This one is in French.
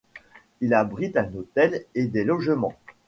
Il abrite un hôtel et des logements.